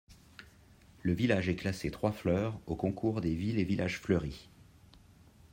Le village est classé trois fleurs au concours des villes et villages fleuris.